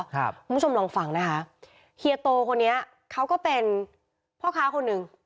คุณผู้ชมลองฟังนะคะเฮียโตคนนี้เขาก็เป็นพ่อค้าคนหนึ่ง